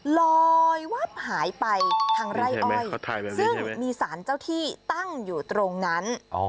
ลอยวับหายไปทางไร่อ้อยซึ่งมีสารเจ้าที่ตั้งอยู่ตรงนั้น